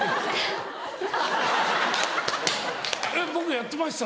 やってました。